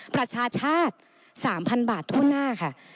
ประชาชาติ๓๐๐๐บาททั่วหน้าค่ะ